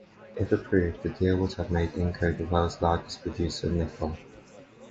If approved, the deal would have made Inco the world's largest producer of nickel.